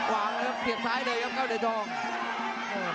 วางแล้วเขียบทรายเลยครับเก้าเหลือนทอง